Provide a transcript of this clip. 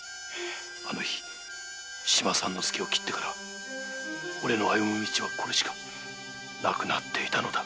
あの日島三之介を斬ってから俺の歩む道はこれしかなくなっていたのだ。